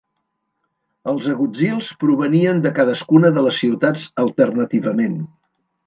Els agutzils provenien de cadascuna de les ciutats alternativament.